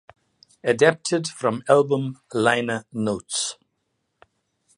Adapted from album liner notes.